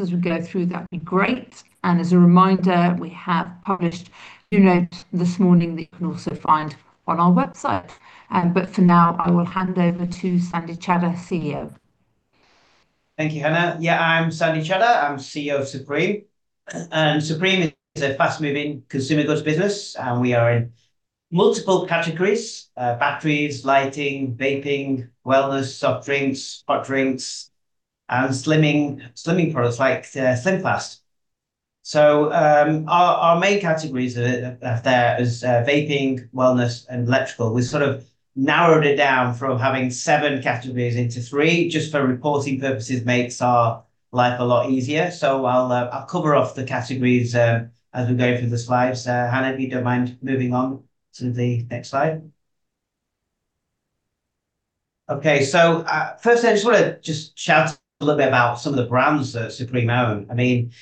As we go through, that'd be great. As a reminder, we have published a new note this morning that you can also find on our website. For now, I will hand over to Sandy Chadha, CEO. Thank you, Hannah. Yeah, I'm Sandy Chadha. I'm CEO of Supreme. Supreme is a fast-moving consumer goods business. We are in multiple categories: batteries, lighting, vaping, wellness, soft drinks, hot drinks, and slimming products like SlimFast. Our main categories there are vaping, wellness, and electrical. We sort of narrowed it down from having seven categories into three, just for reporting purposes, makes our life a lot easier. I'll cover off the categories as we go through the slides. Hannah, if you don't mind moving on to the next slide. Okay, first, I just want to just shout a little bit about some of the brands that Supreme own. I mean,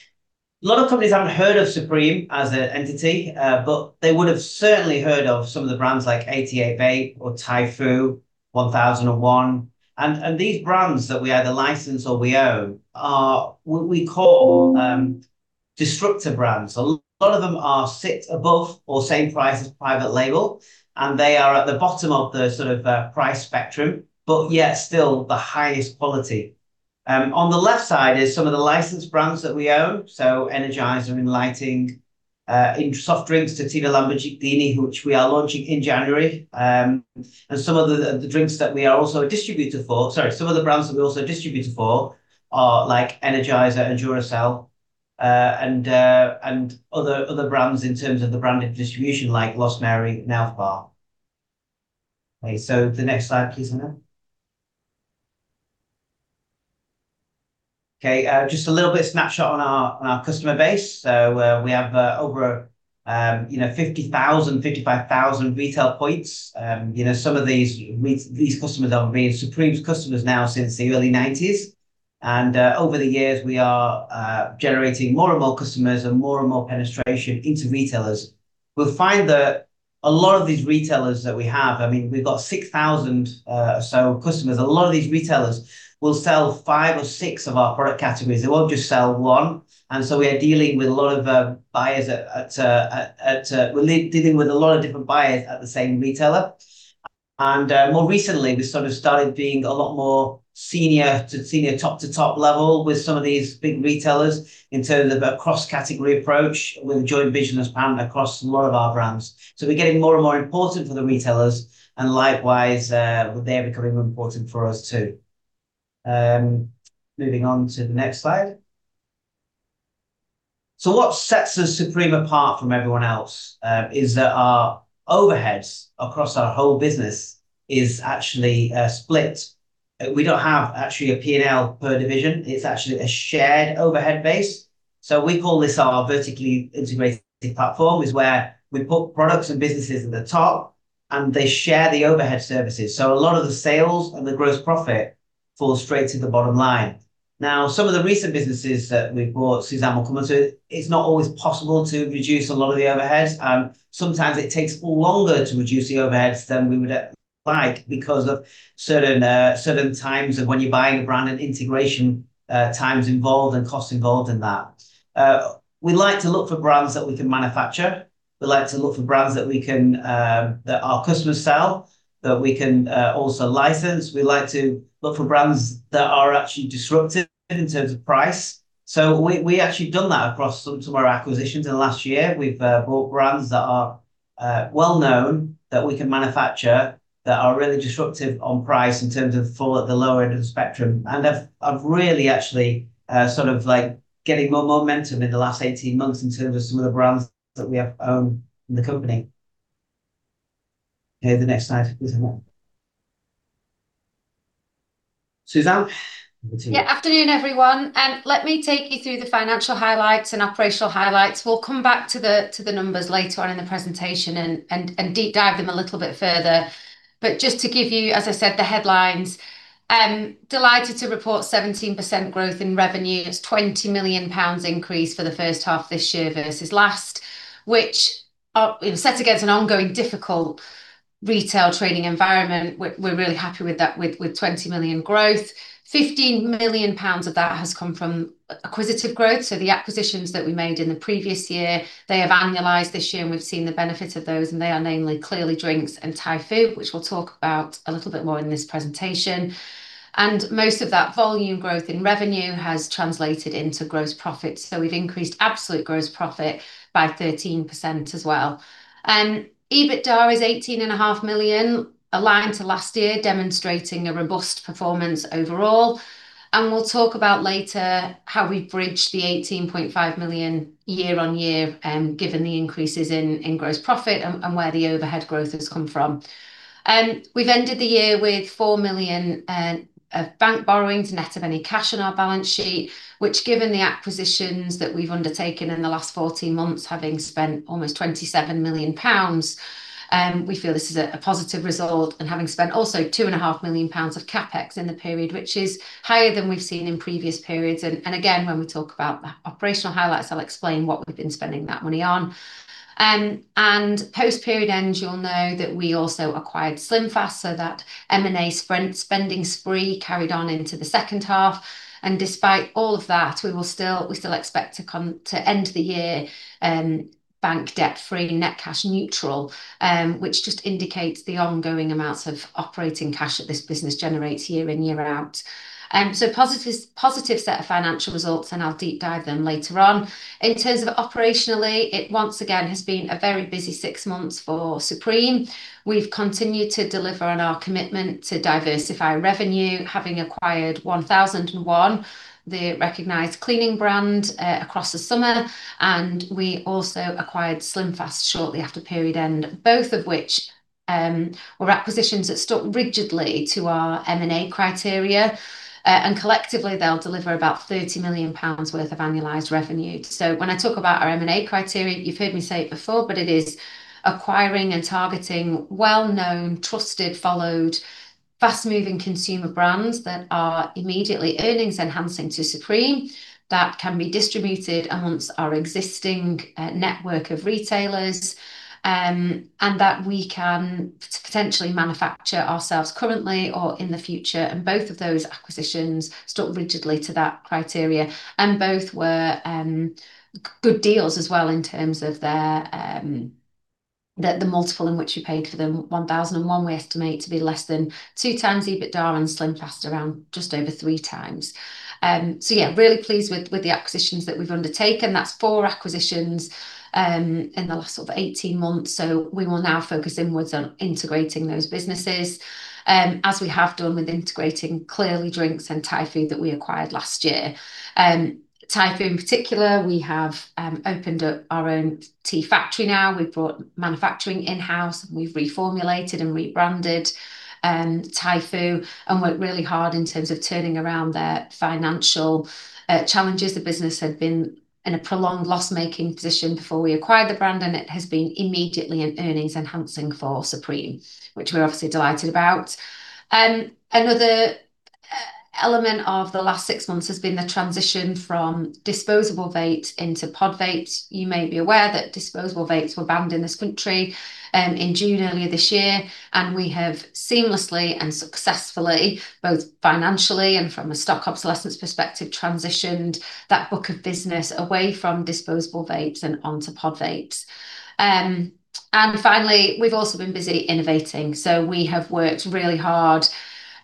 a lot of companies have not heard of Supreme as an entity, but they would have certainly heard of some of the brands like 88Vape or Typhoo, 1001. These brands that we either license or we own are what we call disruptor brands. A lot of them sit above or same price as private label, and they are at the bottom of the sort of price spectrum, but yet still the highest quality. On the left side is some of the licensed brands that we own. Energizer in lighting, soft drinks to TONINO LAMBORGHINI, which we are launching in January. Some of the drinks that we are also a distributor for, sorry, some of the brands that we are also a distributor for are like Energizer and DuraCell, and other brands in terms of the branded distribution like LOST MARY and ELFBAR. The next slide, please, Hannah. Just a little bit of snapshot on our customer base. We have over 50,000, 55,000 retail points. Some of these customers have been Supreme's customers now since the early 1990s. Over the years, we are generating more and more customers and more and more penetration into retailers. You'll find that a lot of these retailers that we have, I mean, we've got 6,000 or so customers. A lot of these retailers will sell five or six of our product categories. They won't just sell one. We are dealing with a lot of different buyers at the same retailer. More recently, we sort of started being a lot more senior to senior, top-to-top level with some of these big retailers in terms of a cross-category approach with a joint vision as part across a lot of our brands. We're getting more and more important for the retailers, and likewise, they're becoming more important for us too. Moving on to the next slide. What sets us Supreme apart from everyone else is that our overheads across our whole business are actually split. We do not have actually a P&L per division. It is actually a shared overhead base. We call this our vertically integrated platform, where we put products and businesses at the top, and they share the overhead services. A lot of the sales and the gross profit falls straight to the bottom line. Now, some of the recent businesses that we have brought, Suzanne will come on to, it is not always possible to reduce a lot of the overheads. Sometimes it takes longer to reduce the overheads than we would like because of certain times of when you are buying a brand and integration times involved and costs involved in that. We like to look for brands that we can manufacture. We like to look for brands that our customers sell, that we can also license. We like to look for brands that are actually disruptive in terms of price. We actually have done that across some of our acquisitions in the last year. We have bought brands that are well-known that we can manufacture that are really disruptive on price in terms of the lower end of the spectrum. I have really actually sort of like getting more momentum in the last 18 months in terms of some of the brands that we have owned in the company. Okay, the next slide, please, Hannah. Suzanne. Yeah, afternoon, everyone. Let me take you through the financial highlights and operational highlights. We'll come back to the numbers later on in the presentation and deep dive them a little bit further. Just to give you, as I said, the headlines. Delighted to report 17% growth in revenue. It's 20 million pounds increase for the first half of this year versus last, which is set against an ongoing difficult retail trading environment. We're really happy with that, with 20 million growth. 15 million pounds of that has come from acquisitive growth. The acquisitions that we made in the previous year, they have annualized this year, and we've seen the benefit of those. They are namely Clearly Drinks and Typhoo, which we'll talk about a little bit more in this presentation. Most of that volume growth in revenue has translated into gross profits. We have increased absolute gross profit by 13% as well. EBITDA is 18.5 million, aligned to last year, demonstrating a robust performance overall. We will talk about later how we have bridged the 18.5 million YoY, given the increases in gross profit and where the overhead growth has come from. We have ended the year with 4 million of bank borrowings net of any cash on our balance sheet, which, given the acquisitions that we have undertaken in the last 14 months, having spent almost 27 million pounds, we feel this is a positive result. Having spent also 2.5 million pounds of CapEx in the period, which is higher than we have seen in previous periods. When we talk about the operational highlights, I will explain what we have been spending that money on. Post-period end, you'll know that we also acquired SlimFast, so that M&A spending spree carried on into the second half. Despite all of that, we still expect to end the year bank debt-free, net cash neutral, which just indicates the ongoing amounts of operating cash that this business generates year in, year out. Positive set of financial results, and I'll deep dive them later on. In terms of operationally, it once again has been a very busy six months for Supreme. We've continued to deliver on our commitment to diversify revenue, having acquired 1001, the recognized cleaning brand, across the summer. We also acquired SlimFast shortly after period end, both of which were acquisitions that stuck rigidly to our M&A criteria. Collectively, they'll deliver about 30 million pounds worth of annualized revenue. When I talk about our M&A criteria, you've heard me say it before, but it is acquiring and targeting well-known, trusted, followed, fast-moving consumer brands that are immediately earnings-enhancing to Supreme that can be distributed amongst our existing network of retailers, and that we can potentially manufacture ourselves currently or in the future. Both of those acquisitions stuck rigidly to that criteria. Both were good deals as well in terms of the multiple in which we paid for them. 1001, we estimate to be less than two times EBITDA and SlimFast around just over three times. Yeah, really pleased with the acquisitions that we've undertaken. That's four acquisitions in the last sort of 18 months. We will now focus inwards on integrating those businesses as we have done with integrating Clearly Drinks and Typhoo that we acquired last year. Typhoo, in particular, we have opened up our own tea factory now. We've brought manufacturing in-house. We've reformulated and rebranded Typhoo and worked really hard in terms of turning around their financial challenges. The business had been in a prolonged loss-making position before we acquired the brand, and it has been immediately an earnings-enhancing for Supreme, which we're obviously delighted about. Another element of the last six months has been the transition from disposable vape into pod vapes. You may be aware that disposable vapes were banned in this country in June earlier this year. We have seamlessly and successfully, both financially and from a stock obsolescence perspective, transitioned that book of business away from disposable vapes and onto pod vapes. Finally, we've also been busy innovating. We have worked really hard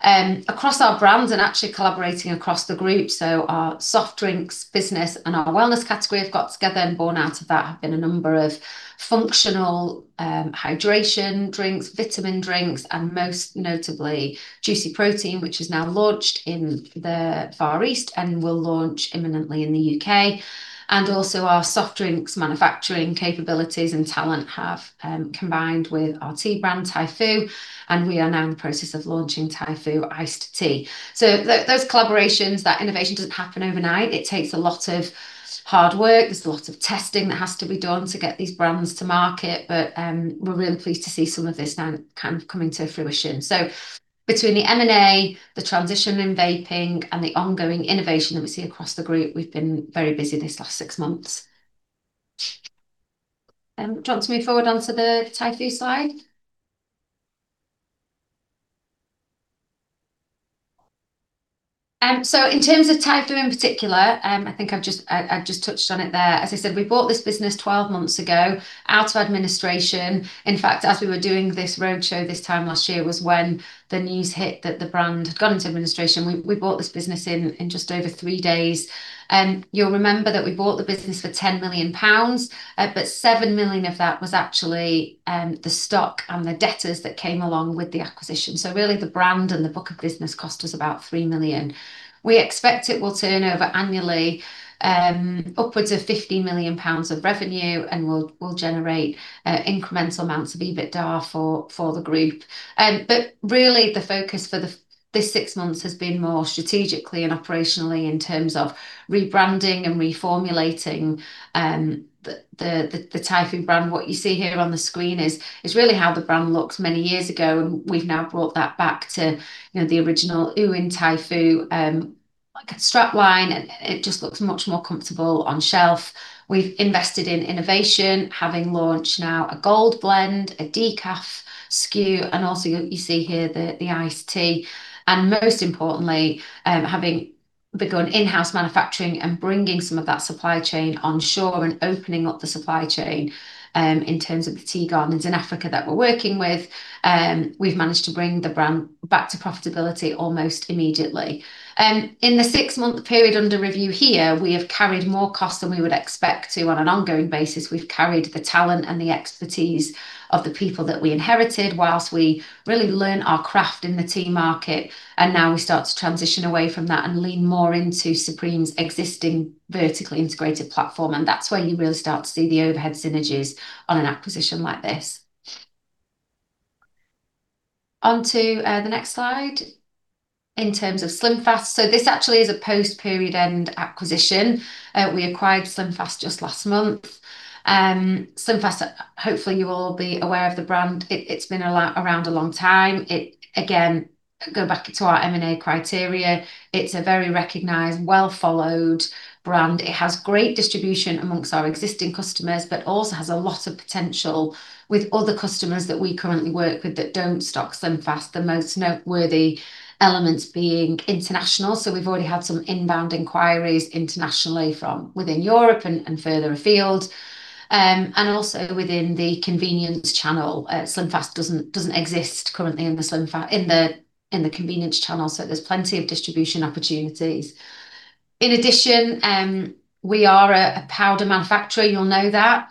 across our brands and actually collaborating across the group. Our soft drinks business and our wellness category have got together and borne out of that have been a number of functional hydration drinks, vitamin drinks, and most notably Juicy Protein, which is now launched in the Far East and will launch imminently in the U.K. Also, our soft drinks manufacturing capabilities and talent have combined with our tea brand, Typhoo, and we are now in the process of launching Typhoo Iced Tea. Those collaborations, that innovation does not happen overnight. It takes a lot of hard work. There is a lot of testing that has to be done to get these brands to market. We are really pleased to see some of this now kind of coming to fruition. Between the M&A, the transition in vaping, and the ongoing innovation that we see across the group, we have been very busy this last six months. Do you want to move forward onto the Typhoo slide? In terms of Typhoo in particular, I think I've just touched on it there. As I said, we bought this business 12 months ago out of administration. In fact, as we were doing this roadshow this time last year was when the news hit that the brand had gone into administration. We bought this business in just over three days. You'll remember that we bought the business for 10 million pounds, but 7 million of that was actually the stock and the debtors that came along with the acquisition. Really, the brand and the book of business cost us about 3 million. We expect it will turn over annually upwards of 15 million pounds of revenue and will generate incremental amounts of EBITDA for the group. Really, the focus for this six months has been more strategically and operationally in terms of rebranding and reformulating the Typhoo brand. What you see here on the screen is really how the brand looked many years ago, and we have now brought that back to the original OOing Typhoo strapline, and it just looks much more comfortable on shelf. We have invested in innovation, having launched now a Gold Blend, a decaf SKU, and also you see here the iced tea. Most importantly, having begun in-house manufacturing and bringing some of that supply chain onshore and opening up the supply chain in terms of the tea gardens in Africa that we are working with, we have managed to bring the brand back to profitability almost immediately. In the six-month period under review here, we have carried more costs than we would expect to on an ongoing basis. We've carried the talent and the expertise of the people that we inherited whilst we really learn our craft in the tea market. Now we start to transition away from that and lean more into Supreme's existing vertically integrated platform. That is where you really start to see the overhead synergies on an acquisition like this. Onto the next slide in terms of SlimFast. This actually is a post-period end acquisition. We acquired SlimFast just last month. SlimFast, hopefully, you will all be aware of the brand. It's been around a long time. Again, go back to our M&A criteria. It's a very recognized, well-followed brand. It has great distribution amongst our existing customers, but also has a lot of potential with other customers that we currently work with that do not stock SlimFast. The most noteworthy elements being international. We've already had some inbound inquiries internationally from within Europe and further afield. Also within the convenience channel, SlimFast doesn't exist currently in the convenience channel. There's plenty of distribution opportunities. In addition, we are a powder manufacturer. You'll know that.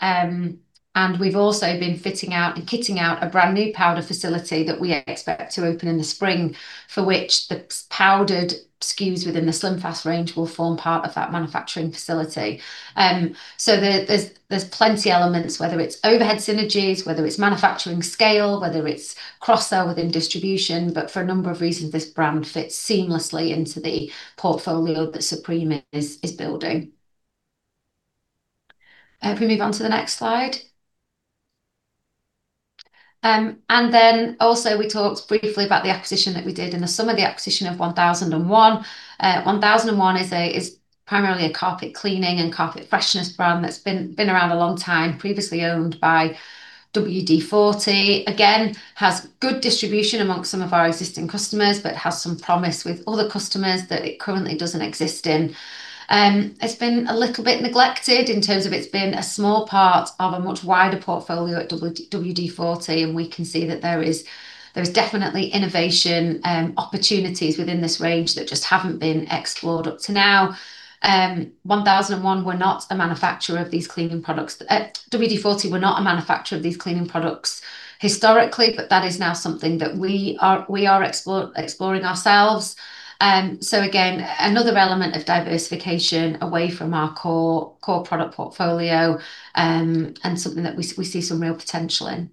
We've also been fitting out and kitting out a brand new powder facility that we expect to open in the spring, for which the powdered SKUs within the SlimFast range will form part of that manufacturing facility. There's plenty of elements, whether it's overhead synergies, whether it's manufacturing scale, whether it's cross-sell within distribution. For a number of reasons, this brand fits seamlessly into the portfolio that Supreme is building. If we move on to the next slide. We talked briefly about the acquisition that we did in the summer, the acquisition of 1001. 1001 is primarily a carpet cleaning and carpet freshness brand that's been around a long time, previously owned by WD-40. Again, has good distribution amongst some of our existing customers, but has some promise with other customers that it currently doesn't exist in. It's been a little bit neglected in terms of it's been a small part of a much wider portfolio at WD-40, and we can see that there is definitely innovation opportunities within this range that just haven't been explored up to now. 1001 were not a manufacturer of these cleaning products. WD-40 were not a manufacturer of these cleaning products historically, but that is now something that we are exploring ourselves. Again, another element of diversification away from our core product portfolio and something that we see some real potential in.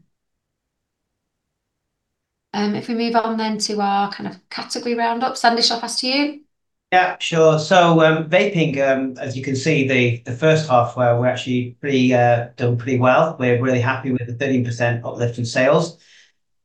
If we move on then to our kind of category roundup, Sandy, I'll pass to you. Yeah, sure. Vaping, as you can see, the first half, we've actually done pretty well. We're really happy with the 13% uplift in sales.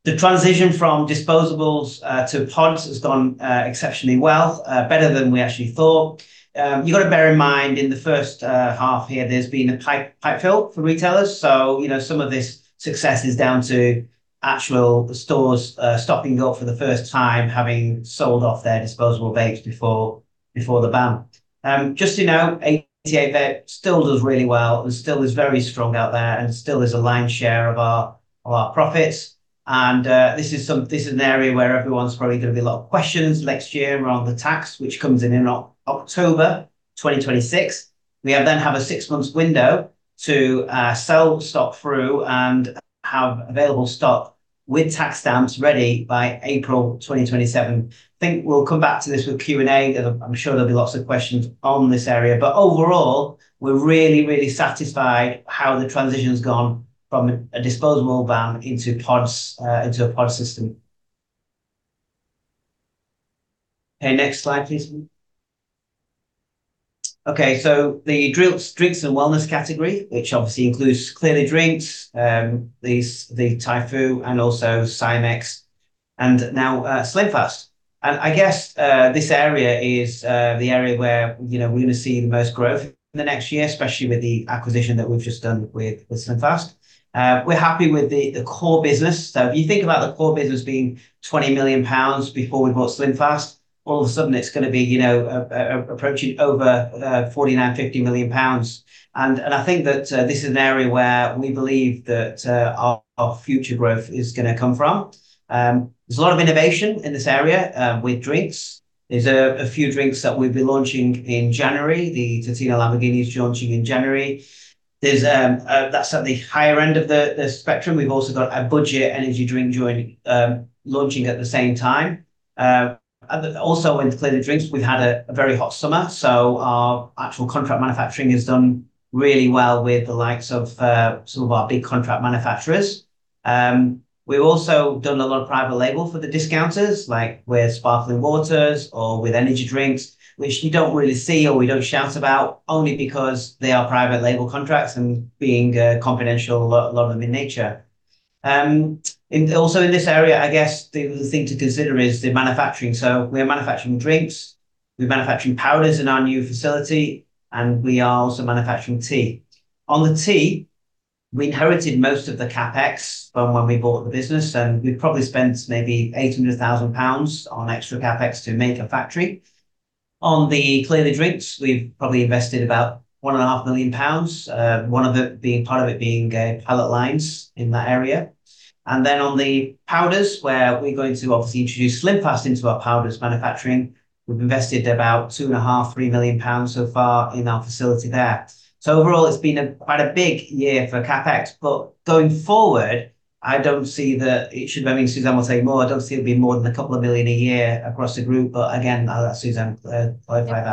The transition from disposables to pods has gone exceptionally well, better than we actually thought. You've got to bear in mind in the first half here, there's been a pipe fill for retailers. Some of this success is down to actual stores stocking up for the first time, having sold off their disposable vapes before the ban. Just to note, 88Vape still does really well and still is very strong out there, and still is a lion's share of our profits. This is an area where everyone's probably going to be a lot of questions next year around the tax, which comes in in October 2026. We then have a six-month window to sell stock through and have available stock with tax stamps ready by April 2027. I think we'll come back to this with Q&A. I'm sure there'll be lots of questions on this area. Overall, we're really, really satisfied how the transition's gone from a disposable ban into a pod system. Okay, next slide, please. The drinks and wellness category, which obviously includes Clearly Drinks, the Typhoo, and also SCI-MX, and now SlimFast. I guess this area is the area where we're going to see the most growth in the next year, especially with the acquisition that we've just done with SlimFast. We're happy with the core business. If you think about the core business being 20 million pounds before we bought SlimFast, all of a sudden, it's going to be approaching over 49-50 million pounds. I think that this is an area where we believe that our future growth is going to come from. There's a lot of innovation in this area with drinks. There are a few drinks that we've been launching in January. The TONINO LAMBORGHINI is launching in January. That's at the higher end of the spectrum. We've also got a budget energy drink joint launching at the same time. Also, with Clearly Drinks, we've had a very hot summer. Our actual contract manufacturing has done really well with the likes of some of our big contract manufacturers. We've also done a lot of private label for the discounters, like with sparkling waters or with energy drinks, which you don't really see or we don't shout about only because they are private label contracts and being confidential, a lot of them in nature. Also in this area, I guess the thing to consider is the manufacturing. So we're manufacturing drinks. We're manufacturing powders in our new facility, and we are also manufacturing tea. On the tea, we inherited most of the CapEx from when we bought the business, and we've probably spent maybe 800,000 pounds on extra CapEx to make a factory. On the Clearly Drinks, we've probably invested about 1.5 million pounds, one of the part of it being pallet lines in that area. And then on the powders, where we're going to obviously introduce SlimFast into our powders manufacturing, we've invested about 2.5 million-3 million pounds so far in our facility there. So overall, it's been quite a big year for CapEx, but going forward, I don't see that it should be, I mean, Suzanne will say more. I do not see it being more than a couple of million a year across the group, but again, Suzanne will clarify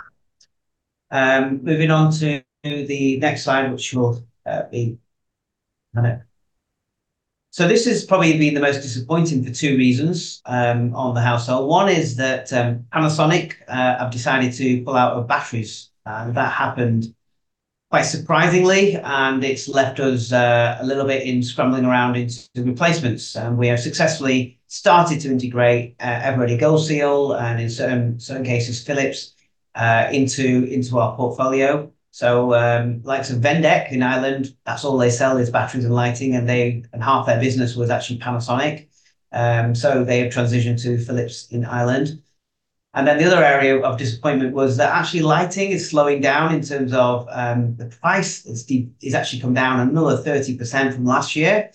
that. Moving on to the next slide, which will be on it. This has probably been the most disappointing for two reasons on the household. One is that Panasonic have decided to pull out of batteries, and that happened quite surprisingly, and it has left us a little bit scrambling around into replacements. We have successfully started to integrate Eveready Gold Seal and, in certain cases, Philips into our portfolio. The likes of Vendek in Ireland, that is all they sell is batteries and lighting, and half their business was actually Panasonic. They have transitioned to Philips in Ireland. The other area of disappointment was that actually lighting is slowing down in terms of the price has actually come down another 30% from last year.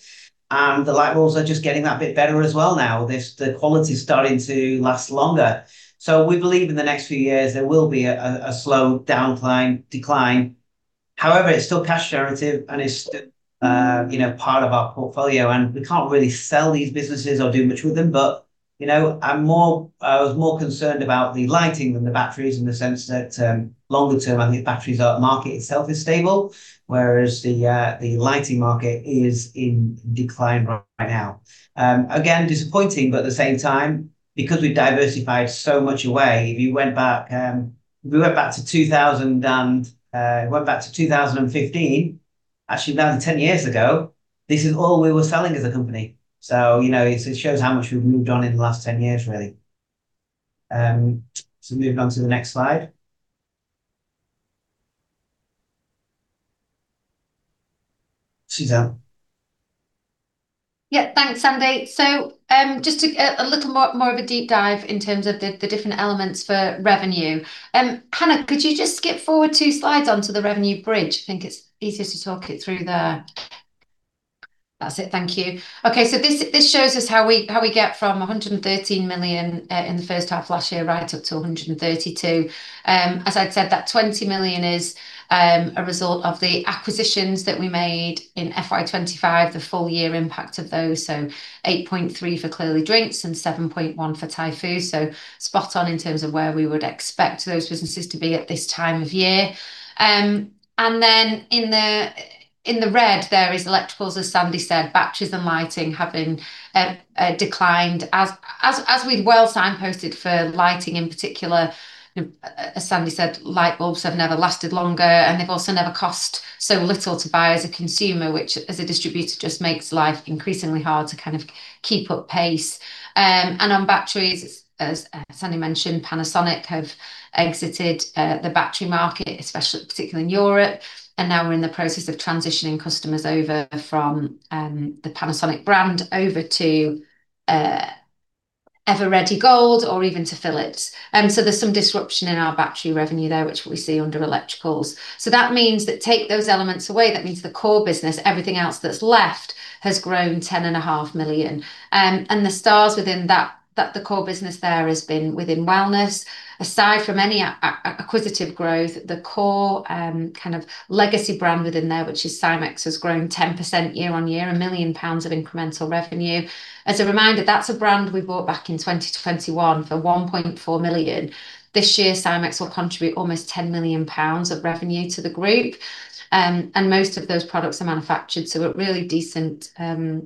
The light bulbs are just getting that bit better as well now. The quality is starting to last longer. We believe in the next few years, there will be a slow down decline. However, it is still cash generative and it is still part of our portfolio, and we cannot really sell these businesses or do much with them. I was more concerned about the lighting than the batteries in the sense that longer term, I think batteries market itself is stable, whereas the lighting market is in decline right now. Again, disappointing, but at the same time, because we have diversified so much away, if you went back, if we went back to 2000 and went back to 2015, actually now 10 years ago, this is all we were selling as a company. It shows how much we have moved on in the last 10 years, really. Moving on to the next slide. Suzanne. Yeah, thanks, Sandy. Just a little more of a deep dive in terms of the different elements for revenue. Hannah, could you just skip forward two slides onto the revenue bridge? I think it's easiest to talk it through there. That's it, thank you. Okay, this shows us how we get from 113 million in the first half last year right up to 132 million. As I'd said, that 20 million is a result of the acquisitions that we made in FY 2025, the full year impact of those. 8.3 million for Clearly Drinks and 7.1 million for Typhoo. Spot on in terms of where we would expect those businesses to be at this time of year. In the red, there is electricals, as Sandy said, batteries and lighting have declined. As we've well signposted for lighting in particular, as Sandy said, light bulbs have never lasted longer, and they've also never cost so little to buy as a consumer, which as a distributor just makes life increasingly hard to kind of keep up pace. On batteries, as Sandy mentioned, Panasonic have exited the battery market, particularly in Europe. Now we're in the process of transitioning customers over from the Panasonic brand over to Eveready Gold or even to Philips. There's some disruption in our battery revenue there, which we see under electricals. That means that take those elements away, that means the core business, everything else that's left has grown 10.5 million. The stars within that, the core business there has been within wellness. Aside from any acquisitive growth, the core kind of legacy brand within there, which is SCI-MX, has grown 10% year on year, 1 million pounds of incremental revenue. As a reminder, that's a brand we bought back in 2021 for 1.4 million. This year, SCI-MX will contribute almost 10 million pounds of revenue to the group. Most of those products are manufactured, so we're at really decent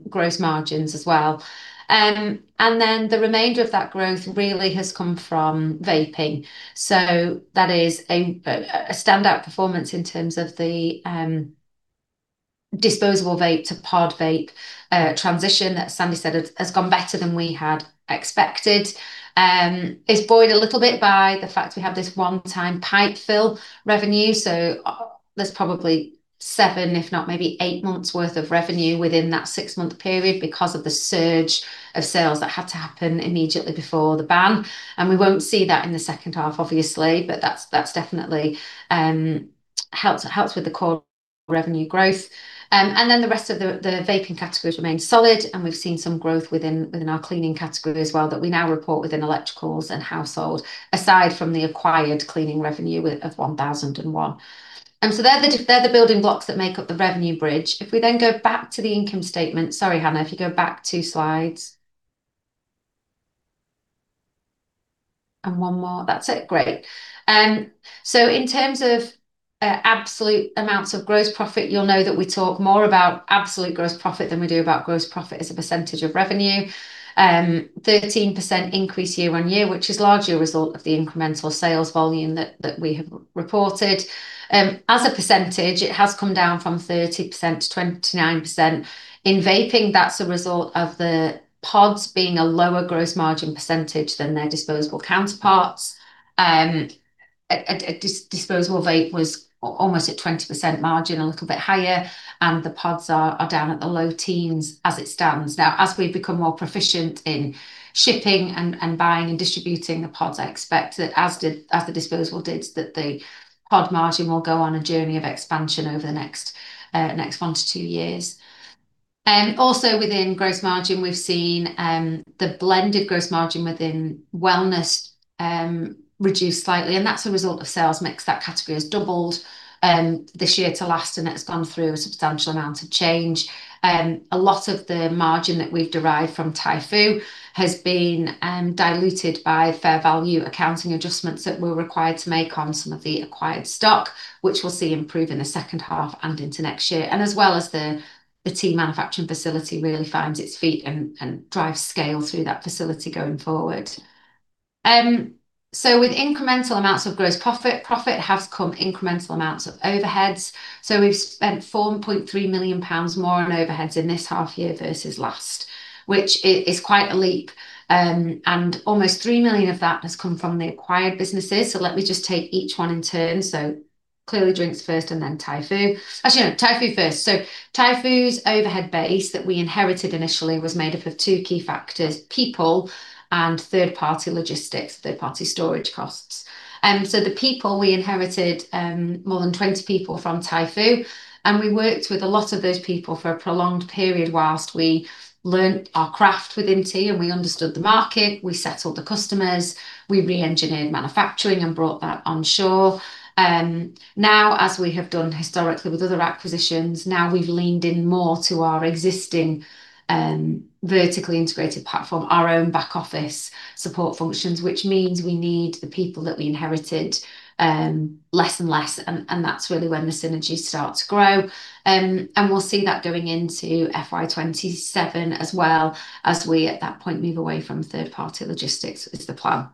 gross margins as well. The remainder of that growth really has come from vaping. That is a standout performance in terms of the disposable vape to pod vape transition that Sandy said has gone better than we had expected. It's buoyed a little bit by the fact we have this one-time pipe fill revenue. There is probably seven, if not maybe eight months' worth of revenue within that six-month period because of the surge of sales that had to happen immediately before the ban. We will not see that in the second half, obviously, but that has definitely helped with the core revenue growth. The rest of the vaping categories remain solid, and we have seen some growth within our cleaning category as well that we now report within electricals and household, aside from the acquired cleaning revenue of 1001. They are the building blocks that make up the revenue bridge. If you then go back to the income statement, sorry, Hannah, if you go back two slides. And one more. That is it, great. In terms of absolute amounts of gross profit, you'll know that we talk more about absolute gross profit than we do about gross profit as a percentage of revenue. 13% increase year on year, which is largely a result of the incremental sales volume that we have reported. As a percentage, it has come down from 30% to 29%. In vaping, that's a result of the pods being a lower gross margin percentage than their disposable counterparts. Disposable vape was almost at 20% margin, a little bit higher, and the pods are down at the low teens as it stands. Now, as we become more proficient in shipping and buying and distributing the pods, I expect that, as the disposable did, that the pod margin will go on a journey of expansion over the next one to two years. Also, within gross margin, we've seen the blended gross margin within wellness reduce slightly, and that's a result of sales mix. That category has doubled this year to last, and it's gone through a substantial amount of change. A lot of the margin that we've derived from Typhoo has been diluted by fair value accounting adjustments that we're required to make on some of the acquired stock, which we'll see improve in the second half and into next year. As well as the tea manufacturing facility really finds its feet and drives scale through that facility going forward. With incremental amounts of gross profit, have come incremental amounts of overheads. We've spent 4.3 million pounds more on overheads in this half year versus last, which is quite a leap. Almost 3 million of that has come from the acquired businesses. Let me just take each one in turn. Clearly Drinks first and then Typhoo. Actually, no, Typhoo first. Typhoo's overhead base that we inherited initially was made up of two key factors: people and third-party logistics, third-party storage costs. The people we inherited, more than 20 people from Typhoo. We worked with a lot of those people for a prolonged period whilst we learned our craft within tea, and we understood the market, we settled the customers, we re-engineered manufacturing and brought that on shore. Now, as we have done historically with other acquisitions, now we've leaned in more to our existing vertically integrated platform, our own back office support functions, which means we need the people that we inherited less and less, and that's really when the synergy starts to grow. We will see that going into FY 2027 as well, as we at that point move away from third-party logistics is the plan.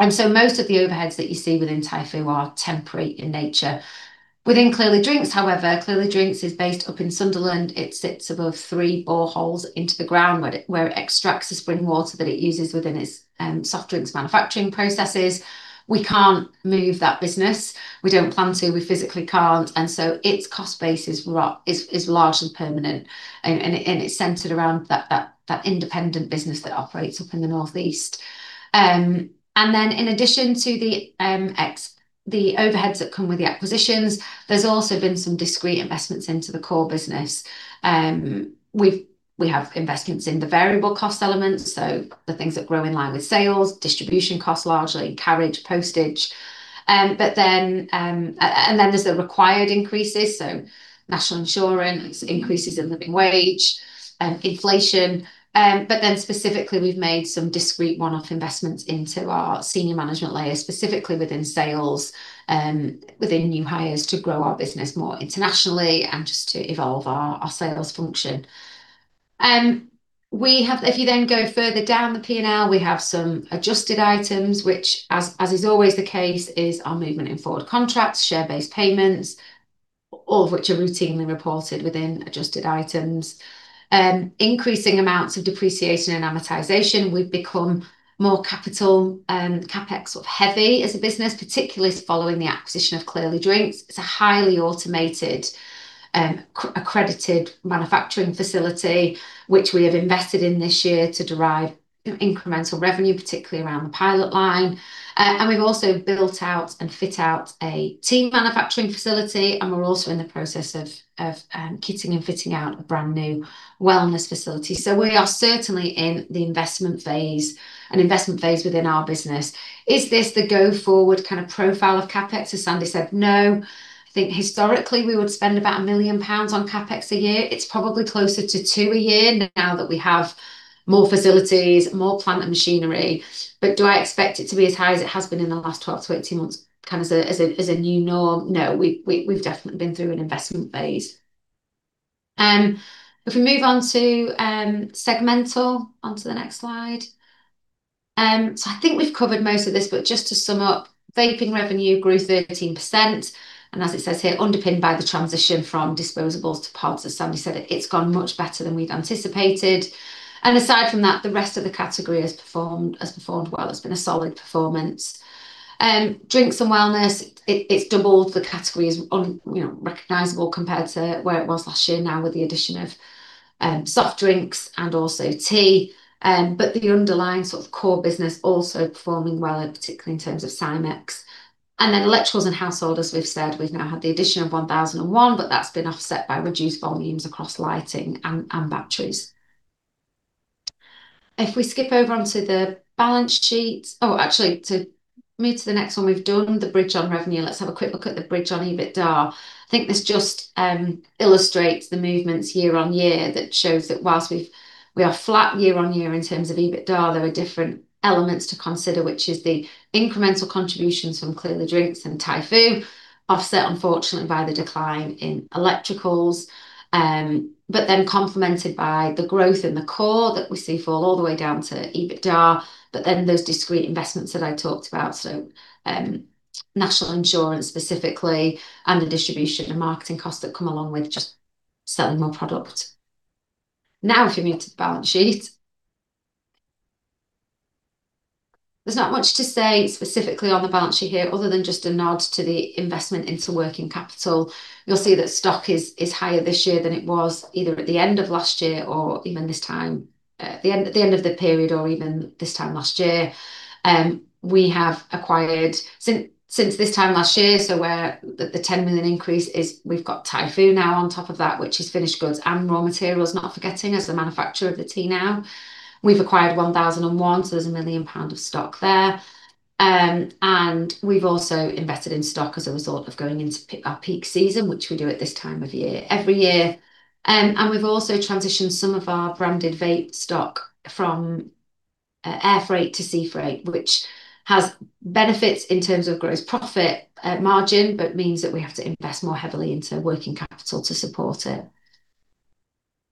Most of the overheads that you see within Typhoo are temporary in nature. Within Clearly Drinks, however, Clearly Drinks is based up in Sunderland. It sits above three boreholes into the ground where it extracts the spring water that it uses within its soft drinks manufacturing processes. We cannot move that business. We do not plan to. We physically cannot. Its cost base is large and permanent, and it is centered around that independent business that operates up in the Northeast. In addition to the overheads that come with the acquisitions, there have also been some discrete investments into the core business. We have investments in the variable cost elements, so the things that grow in line with sales, distribution costs largely, carriage, postage. There are the required increases, such as national insurance, increases in living wage, and inflation. Specifically, we have made some discrete one-off investments into our senior management layer, specifically within sales, within new hires to grow our business more internationally, and just to evolve our sales function. If you then go further down the P&L, we have some adjusted items, which, as is always the case, is our movement in forward contracts, share-based payments, all of which are routinely reported within adjusted items. Increasing amounts of depreciation and amortization. We have become more capital CapEx sort of heavy as a business, particularly following the acquisition of Clearly Drinks. It is a highly automated, accredited manufacturing facility, which we have invested in this year to derive incremental revenue, particularly around the pilot line. We have also built out and fit out a tea manufacturing facility, and we are also in the process of kitting and fitting out a brand new wellness facility. We are certainly in the investment phase, an investment phase within our business. Is this the go-forward kind of profile of CapEx? As Sandy said, no. I think historically we would spend about 1 million pounds on CapEx a year. It is probably closer to 2 million a year now that we have more facilities, more plant machinery. Do I expect it to be as high as it has been in the last 12-18 months as a new norm? No, we have definitely been through an investment phase. If we move on to segmental, onto the next slide. I think we have covered most of this, but just to sum up, vaping revenue grew 13%. As it says here, underpinned by the transition from disposables to pods, as Sandy said, it's gone much better than we've anticipated. Aside from that, the rest of the category has performed well. It's been a solid performance. Drinks and wellness, it's doubled the category as recognizable compared to where it was last year now with the addition of soft drinks and also tea. The underlying sort of core business also performing well, particularly in terms of SCI-MX. Electricals and household, as we've said, we've now had the addition of 1001, but that's been offset by reduced volumes across lighting and batteries. If we skip over onto the balance sheet, actually, to move to the next one, we've done the bridge on revenue. Let's have a quick look at the bridge on EBITDA. I think this just illustrates the movements YoY that shows that whilst we are flat YoY in terms of EBITDA, there are different elements to consider, which is the incremental contributions from Clearly Drinks and Typhoo, offset unfortunately by the decline in electricals, but then complemented by the growth in the core that we see fall all the way down to EBITDA, but then those discrete investments that I talked about, national insurance specifically and the distribution and marketing costs that come along with just selling more product. If you move to the balance sheet, there is not much to say specifically on the balance sheet here other than just a nod to the investment into working capital. You'll see that stock is higher this year than it was either at the end of last year or even this time, at the end of the period or even this time last year. We have acquired since this time last year, so where the 10 million increase is, we've got Typhoo now on top of that, which is finished goods and raw materials, not forgetting as the manufacturer of the tea now. We've acquired 1001, so there's 1 million pound of stock there. We have also invested in stock as a result of going into our peak season, which we do at this time of year every year. We have also transitioned some of our branded vape stock from air freight to sea freight, which has benefits in terms of gross profit margin, but means that we have to invest more heavily into working capital to support it.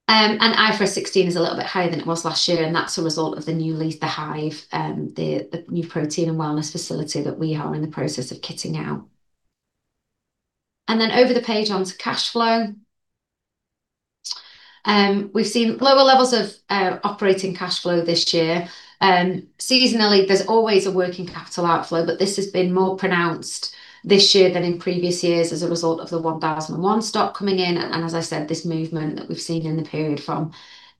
IFRS 16 is a little bit higher than it was last year, and that's a result of the new lease, the HIVE, the new protein and wellness facility that we are in the process of kitting out. Over the page onto cash flow, we've seen lower levels of operating cash flow this year. Seasonally, there's always a working capital outflow, but this has been more pronounced this year than in previous years as a result of the 1001 stock coming in. As I said, this movement that we've seen in the period from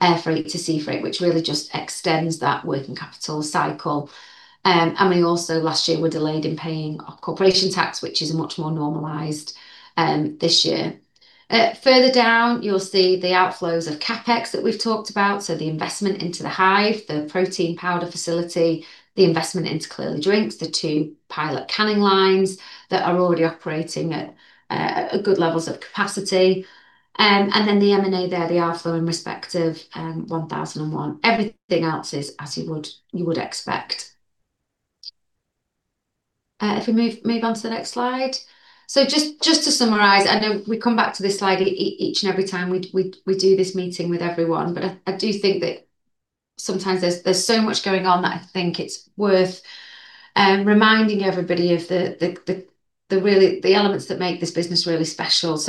air freight to sea freight, which really just extends that working capital cycle. We also, last year, were delayed in paying our corporation tax, which is much more normalized this year. Further down, you'll see the outflows of CapEx that we've talked about, so the investment into the HIVE, the protein powder facility, the investment into Clearly Drinks, the two pilot canning lines that are already operating at good levels of capacity. The M&A there, the outflow in respect of 1001. Everything else is as you would expect. If we move on to the next slide. Just to summarize, I know we come back to this slide each and every time we do this meeting with everyone, but I do think that sometimes there's so much going on that I think it's worth reminding everybody of the elements that make this business really special.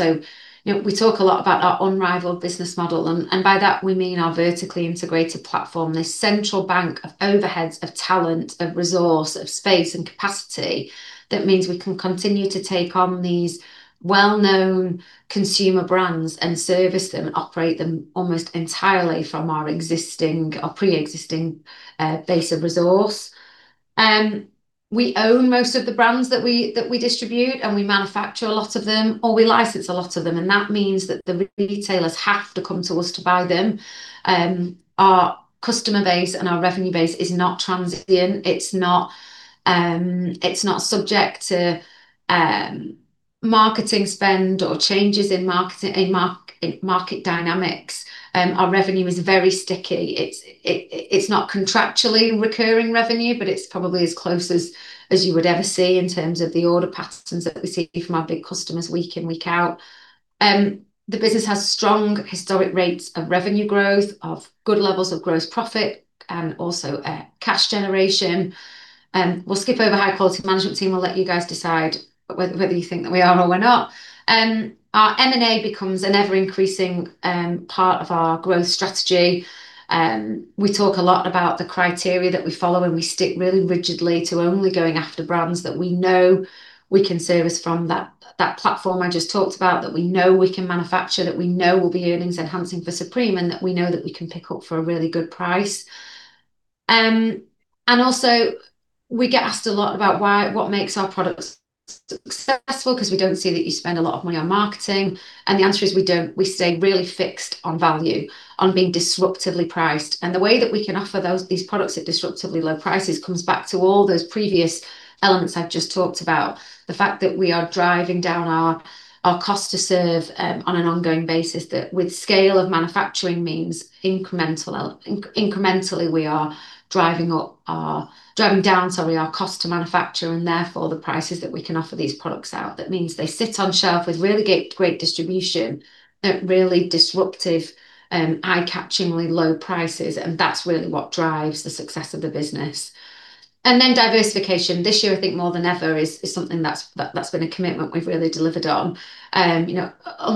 We talk a lot about our unrivaled business model, and by that, we mean our vertically integrated platform, this central bank of overheads, of talent, of resource, of space and capacity that means we can continue to take on these well-known consumer brands and service them and operate them almost entirely from our existing or pre-existing base of resource. We own most of the brands that we distribute, and we manufacture a lot of them, or we license a lot of them. That means that the retailers have to come to us to buy them. Our customer base and our revenue base is not transient. It is not subject to marketing spend or changes in market dynamics. Our revenue is very sticky. It's not contractually recurring revenue, but it's probably as close as you would ever see in terms of the order patterns that we see from our big customers week in, week out. The business has strong historic rates of revenue growth, of good levels of gross profit, and also cash generation. We'll skip over high-quality management team. We'll let you guys decide whether you think that we are or we're not. Our M&A becomes an ever-increasing part of our growth strategy. We talk a lot about the criteria that we follow, and we stick really rigidly to only going after brands that we know we can service from that platform I just talked about, that we know we can manufacture, that we know will be earnings-enhancing for Supreme, and that we know that we can pick up for a really good price. We get asked a lot about what makes our products successful because we do not see that you spend a lot of money on marketing. The answer is we stay really fixed on value, on being disruptively priced. The way that we can offer these products at disruptively low prices comes back to all those previous elements I have just talked about, the fact that we are driving down our cost to serve on an ongoing basis, that with scale of manufacturing means incrementally, we are driving down, sorry, our cost to manufacture and therefore the prices that we can offer these products out. That means they sit on shelf with really great distribution, really disruptive, eye-catchingly low prices, and that is really what drives the success of the business. Diversification this year, I think more than ever, is something that's been a commitment we've really delivered on. Only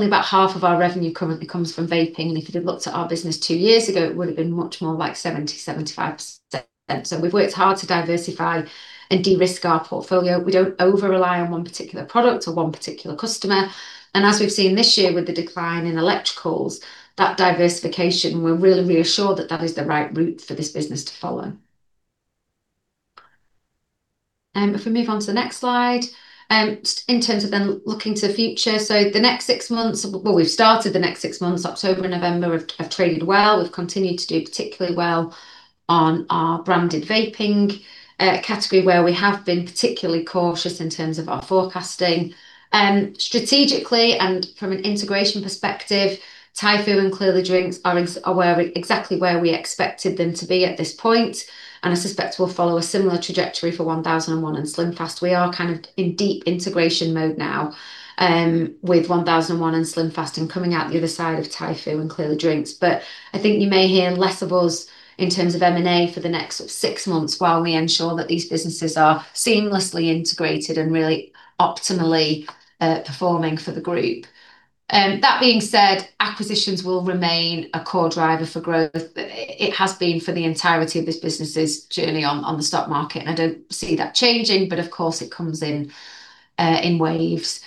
about half of our revenue currently comes from vaping. If you looked at our business two years ago, it would have been much more like 70%-75%. We have worked hard to diversify and de-risk our portfolio. We do not over-rely on one particular product or one particular customer. As we have seen this year with the decline in electricals, that diversification, we are really reassured that that is the right route for this business to follow. If we move on to the next slide, in terms of then looking to the future, the next six months, we have started the next six months. October and November have traded well. We've continued to do particularly well on our branded vaping category where we have been particularly cautious in terms of our forecasting. Strategically and from an integration perspective, Typhoo and Clearly Drinks are exactly where we expected them to be at this point. I suspect we'll follow a similar trajectory for 1001 and SlimFast. We are kind of in deep integration mode now with 1001 and SlimFast and coming out the other side of Typhoo and Clearly Drinks. I think you may hear less of us in terms of M&A for the next six months while we ensure that these businesses are seamlessly integrated and really optimally performing for the group. That being said, acquisitions will remain a core driver for growth. It has been for the entirety of this business's journey on the stock market. I don't see that changing, but of course, it comes in waves.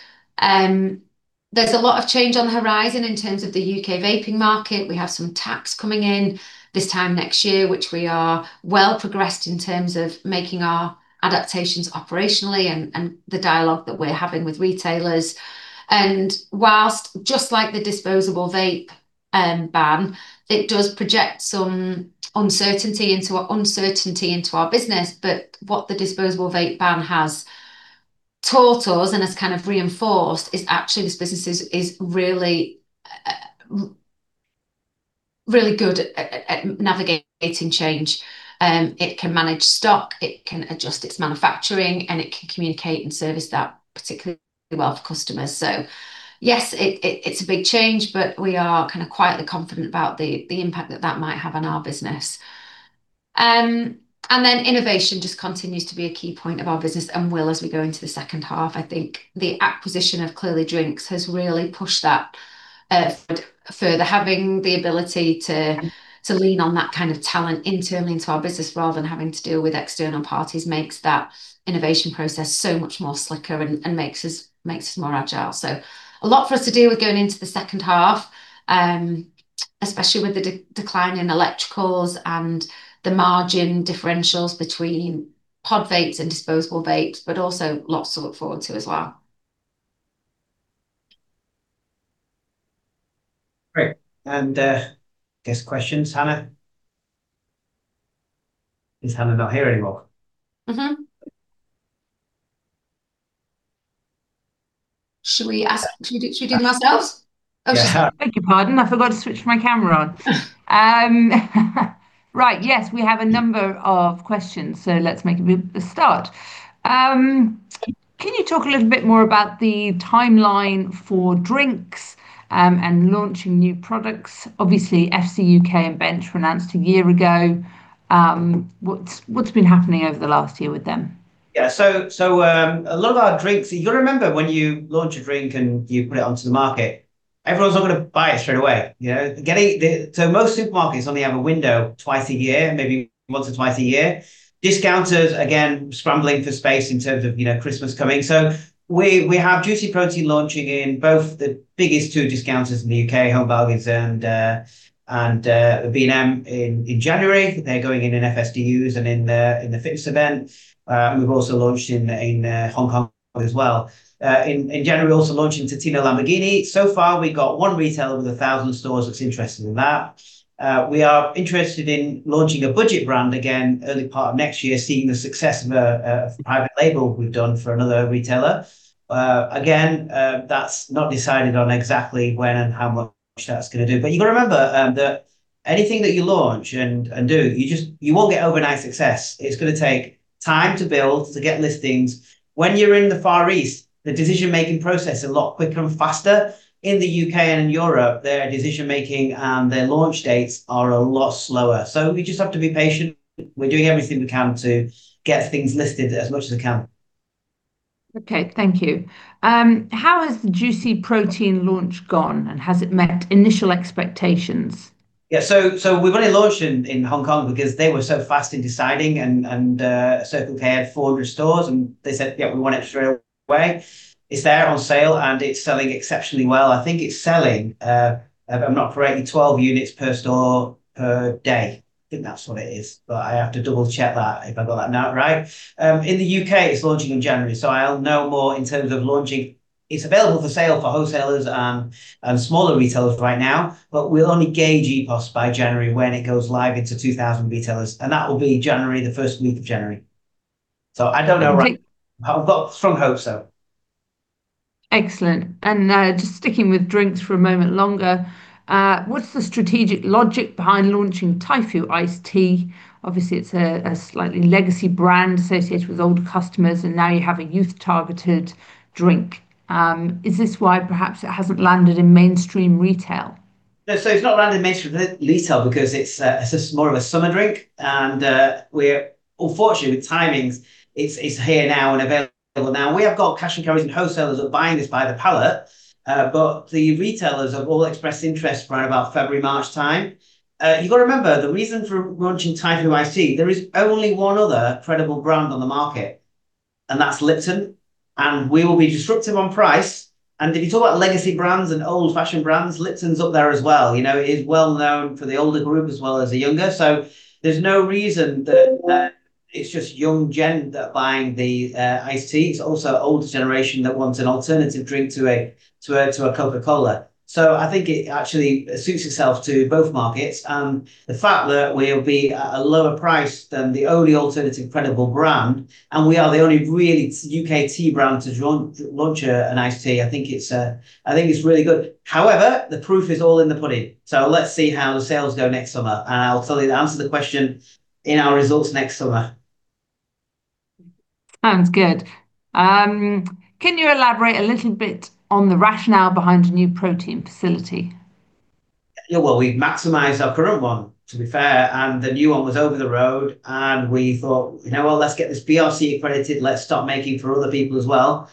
is a lot of change on the horizon in terms of the U.K. vaping market. We have some tax coming in this time next year, which we are well progressed in terms of making our adaptations operationally and the dialogue that we are having with retailers. Just like the disposable vape ban, it does project some uncertainty into our business, but what the disposable vape ban has taught us and has kind of reinforced is actually this business is really good at navigating change. It can manage stock, it can adjust its manufacturing, and it can communicate and service that particularly well for customers. Yes, it is a big change, but we are kind of quietly confident about the impact that that might have on our business. Innovation just continues to be a key point of our business and will as we go into the second half. I think the acquisition of Clearly Drinks has really pushed that further. Having the ability to lean on that kind of talent internally into our business rather than having to deal with external parties makes that innovation process so much more slicker and makes us more agile. A lot for us to do with going into the second half, especially with the decline in electricals and the margin differentials between pod vapes and disposable vapes, but also lots to look forward to as well. Great. Guest questions, Hannah? Is Hannah not here anymore? Should we ask? Should we do it ourselves? Oh, sorry. Thank you, pardon. I forgot to switch my camera on. Right, yes, we have a number of questions, so let's make a start. Can you talk a little bit more about the timeline for drinks and launching new products? Obviously, FCUK and Bench were announced a year ago. What's been happening over the last year with them? Yeah, so a lot of our drinks, you'll remember when you launch a drink and you put it onto the market, everyone's not going to buy it straight away. Most supermarkets only have a window twice a year, maybe once or twice a year. Discounters, again, scrambling for space in terms of Christmas coming. We have Juicy Protein launching in both the biggest two discounters in the U.K., Home Bargains and B&M in January. They're going in FSDUs and in the fitness event. We've also launched in Hong Kong as well. In January, also launching TONINO LAMBORGHINI. So far, we've got one retailer with 1,000 stores that's interested in that. We are interested in launching a budget brand again, early part of next year, seeing the success of a private label we've done for another retailer. Again, that's not decided on exactly when and how much that's going to do. You have to remember that anything that you launch and do, you won't get overnight success. It's going to take time to build, to get listings. When you're in the Far East, the decision-making process is a lot quicker and faster. In the U.K. and in Europe, their decision-making and their launch dates are a lot slower. We just have to be patient. We're doing everything we can to get things listed as much as we can. Okay, thank you. How has the Juicy Protein launch gone, and has it met initial expectations? Yeah, so we've only launched in Hong Kong because they were so fast in deciding and circled here at 400 stores, and they said, "Yeah, we want it straight away." It's there on sale, and it's selling exceptionally well. I think it's selling, if I'm not correct, 12 units per store per day. I think that's what it is, but I have to double-check that if I got that right. In the U.K., it's launching in January, so I'll know more in terms of launching. It's available for sale for wholesalers and smaller retailers right now, but we'll only gauge e-post by January when it goes live into 2,000 retailers, and that will be January, the first week of January. I don't know right. I've got strong hopes, though. Excellent. Just sticking with drinks for a moment longer, what's the strategic logic behind launching Typhoo Iced Tea? Obviously, it's a slightly legacy brand associated with older customers, and now you have a youth-targeted drink. Is this why perhaps it hasn't landed in mainstream retail? It’s not landed in mainstream retail because it's more of a summer drink. Unfortunately, with timings, it's here now and available now. We have got cash and carries and wholesalers that are buying this by the pallet, but the retailers have all expressed interest around about February, March time. You have got to remember the reason for launching Typhoo Iced Tea. There is only one other credible brand on the market, and that's Lipton, and we will be disruptive on price. If you talk about legacy brands and old-fashioned brands, Lipton's up there as well. It is well known for the older group as well as the younger. There's no reason that it's just young gen that are buying the iced tea. It's also an older generation that wants an alternative drink to a Coca-Cola. I think it actually suits itself to both markets. The fact that we'll be at a lower price than the only alternative credible brand, and we are the only really U.K. tea brand to launch an iced tea, I think it's really good. However, the proof is all in the pudding. Let's see how the sales go next summer, and I'll tell you the answer to the question in our results next summer. Sounds good. Can you elaborate a little bit on the rationale behind a new protein facility? We've maximized our current one, to be fair, and the new one was over the road, and we thought, "Let's get this BRC accredited. Let's start making for other people as well.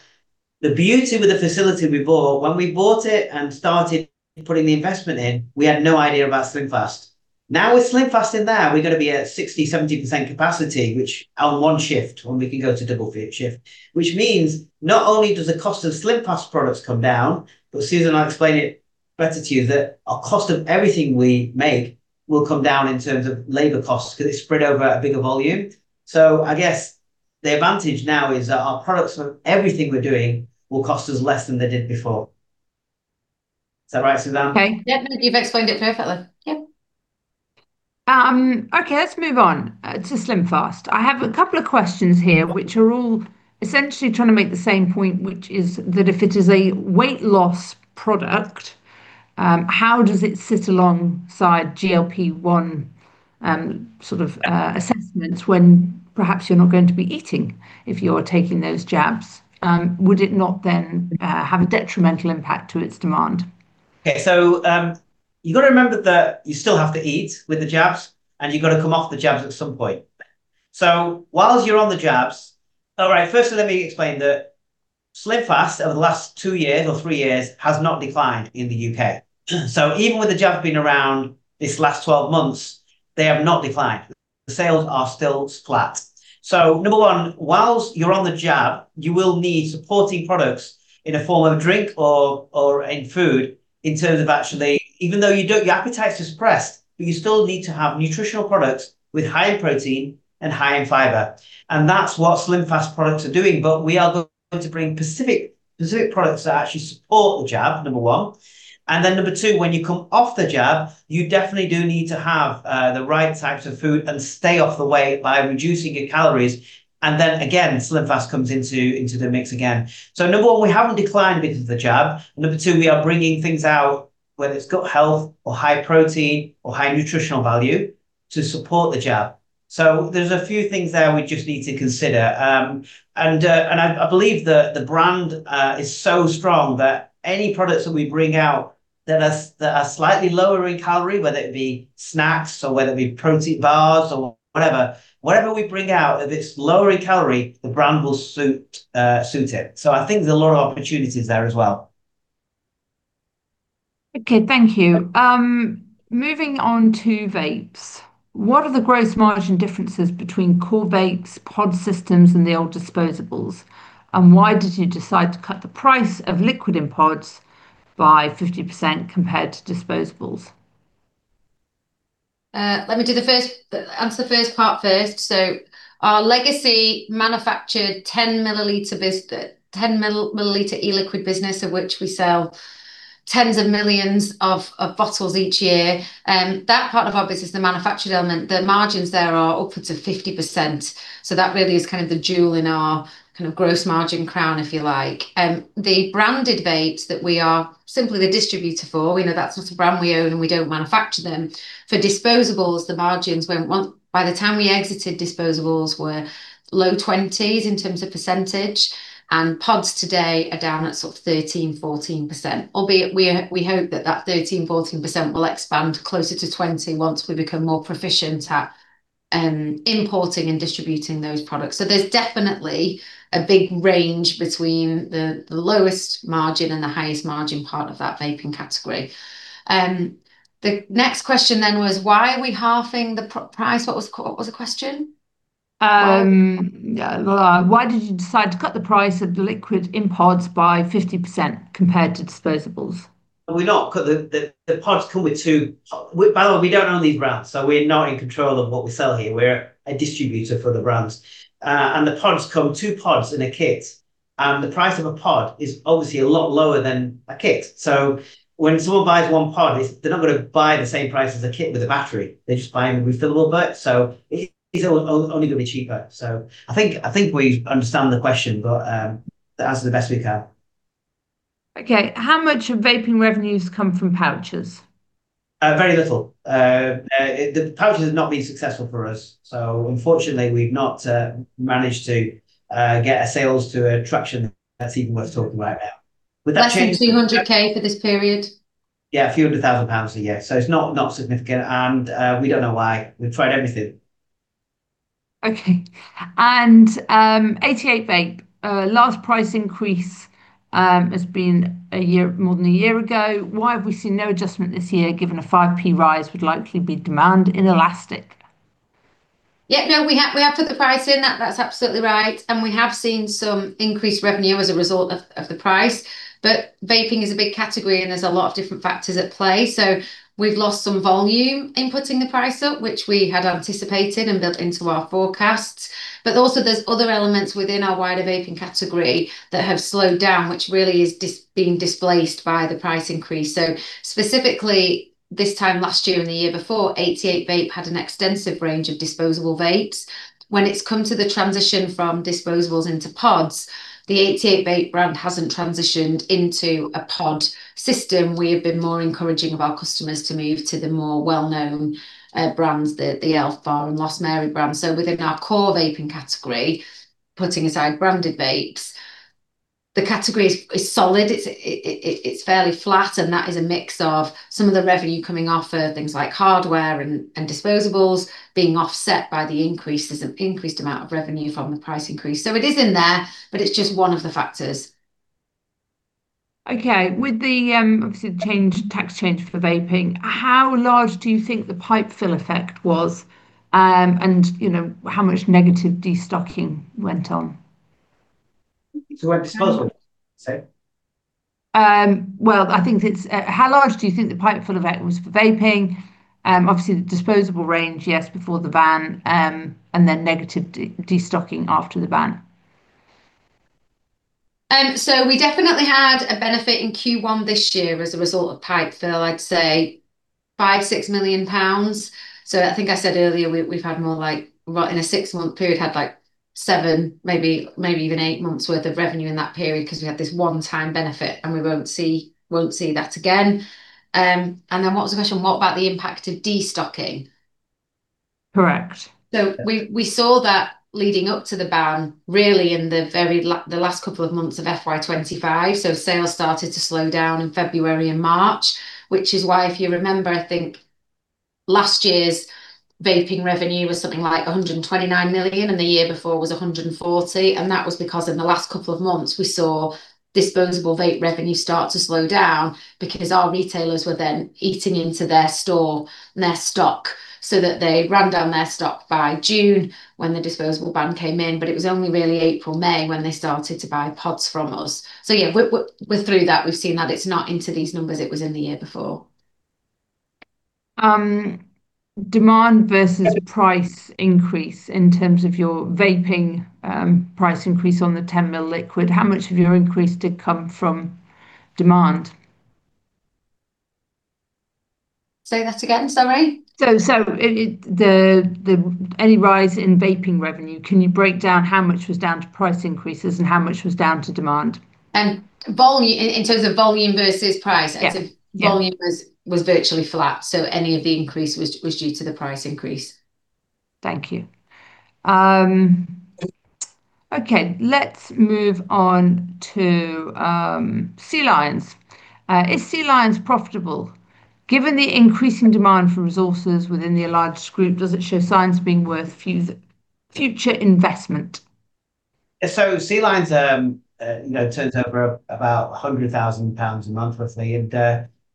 The beauty with the facility we bought, when we bought it and started putting the investment in, we had no idea about SlimFast. Now with SlimFast in there, we're going to be at 60%-70% capacity, which on one shift when we can go to double shift, which means not only does the cost of SlimFast products come down, but Suzanne will explain it better to you, that our cost of everything we make will come down in terms of labor costs because it's spread over a bigger volume. I guess the advantage now is that our products for everything we're doing will cost us less than they did before. Is that right, Suzanne? Okay. Definitely. You've explained it perfectly. Yeah. Okay, let's move on to SlimFast. I have a couple of questions here, which are all essentially trying to make the same point, which is that if it is a weight loss product, how does it sit alongside GLP-1 sort of assessments when perhaps you're not going to be eating if you're taking those jabs? Would it not then have a detrimental impact to its demand? Okay, you have to remember that you still have to eat with the jabs, and you have to come off the jabs at some point. Whilst you're on the jabs, firstly, let me explain that SlimFast over the last two years or three years has not declined in the U.K. Even with the jabs being around this last 12 months, they have not declined. The sales are still flat. Number one, whilst you're on the jab, you will need supporting products in a form of drink or in food in terms of actually, even though your appetite is suppressed, you still need to have nutritional products with high in protein and high in fiber. That's what SlimFast products are doing, but we are going to bring specific products that actually support the jab, number one. Number two, when you come off the jab, you definitely do need to have the right types of food and stay off the weight by reducing your calories. Again, SlimFast comes into the mix again. Number one, we haven't declined because of the jab. Number two, we are bringing things out whether it's got health or high protein or high nutritional value to support the jab. There are a few things there we just need to consider. I believe the brand is so strong that any products that we bring out that are slightly lower in calorie, whether it be snacks or whether it be protein bars or whatever, whatever we bring out, if it's lower in calorie, the brand will suit it. I think there's a lot of opportunities there as well. Okay, thank you. Moving on to vapes. What are the gross margin differences between core vapes, pod systems, and the old disposables? Why did you decide to cut the price of liquid in pods by 50% compared to disposables? Let me answer the first part first. Our legacy manufactured 10 ml e-liquid business, of which we sell tens of millions of bottles each year. That part of our business, the manufactured element, the margins there are upwards of 50%. That really is kind of the jewel in our kind of gross margin crown, if you like. The branded vapes that we are simply the distributor for, we know that's not a brand we own and we don't manufacture them. For disposables, the margins went by the time we exited disposables were low 20s in terms of percentage, and pods today are down at sort of 13%-14%. Albeit, we hope that that 13%-14% will expand closer to 20% once we become more proficient at importing and distributing those products. There is definitely a big range between the lowest margin and the highest margin part of that vaping category. The next question then was, why are we halving the price? What was he question? Yeah, why did you decide to cut the price of the liquid in pods by 50% compared to disposables? We're not, because the pods come with two. By the way, we don't own these brands, so we're not in control of what we sell here. We're a distributor for the brands. The pods come two pods in a kit, and the price of a pod is obviously a lot lower than a kit. When someone buys one pod, they're not going to buy at the same price as a kit with a battery. They're just buying a refillable bit, so it's only going to be cheaper. I think we understand the question, but that's the best we can. Okay, how much of vaping revenues come from pouches? Very little. The pouches have not been successful for us. Unfortunately, we've not managed to get sales to a traction that's even worth talking about now. Would that change? Less than 200,000 for this period? Yeah, 200,000 pounds a year. It's not significant, and we don't know why. We've tried everything. Okay. And 88Vape, last price increase has been more than a year ago. Why have we seen no adjustment this year given a 5p rise would likely be demand inelastic? Yeah, no, we have put the price in. That's absolutely right. We have seen some increased revenue as a result of the price. Vaping is a big category, and there's a lot of different factors at play. We've lost some volume in putting the price up, which we had anticipated and built into our forecasts. There are also other elements within our wider vaping category that have slowed down, which really is being displaced by the price increase. Specifically, this time last year and the year before, 88Vape had an extensive range of disposable vapes. When it has come to the transition from disposables into pods, the 88Vape brand has not transitioned into a pod system. We have been more encouraging of our customers to move to the more well-known brands, the ELFBAR and LOST MARY brands. Within our core vaping category, putting aside branded vapes, the category is solid. It is fairly flat, and that is a mix of some of the revenue coming off of things like hardware and disposables being offset by the increased amount of revenue from the price increase. It is in there, but it is just one of the factors. Okay, with the tax change for vaping, how large do you think the pipe fill effect was, and how much negative destocking went on? To where disposables went, say? I think it's how large do you think the pipe fill effect was for vaping? Obviously, the disposable range, yes, before the ban, and then negative destocking after the ban. We definitely had a benefit in Q1 this year as a result of pipe fill, I'd say 5 million-6 million pounds. I think I said earlier we've had more like in a six-month period, had like seven, maybe even eight months' worth of revenue in that period because we had this one-time benefit, and we won't see that again. What was the question? What about the impact of destocking? Correct. We saw that leading up to the ban really in the last couple of months of FY 2025. Sales started to slow down in February and March, which is why, if you remember, I think last year's vaping revenue was something like 129 million, and the year before was 140 million. That was because in the last couple of months, we saw disposable vape revenue start to slow down because our retailers were then eating into their store and their stock so that they ran down their stock by June when the disposable ban came in. It was only really April and May when they started to buy pods from us. Yeah, we're through that. We've seen that it's not into these numbers. It was in the year before. Demand versus price increase in terms of your vaping price increase on the 10 ml liquid, how much of your increase did come from demand? Say that again, sorry. Any rise in vaping revenue, can you break down how much was down to price increases and how much was down to demand? In terms of volume versus price, volume was virtually flat. Any of the increase was due to the price increase. Thank you. Okay, let's move on to Sealions. Is Sealions profitable? Given the increasing demand for resources within the allied group, does it show signs of being worth future investment? Sealions turns over about 100,000 pounds a month roughly.